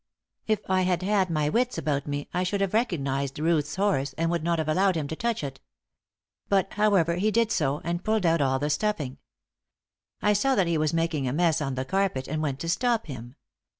If I had had my wits about me I should have recognised Ruth's horse and would not have allowed him to touch it. But, however, he did so and pulled out all the stuffing. I saw that he was making a mess on the carpet and went to stop him.